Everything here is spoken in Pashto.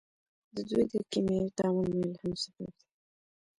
د دوی د کیمیاوي تعامل میل هم صفر دی.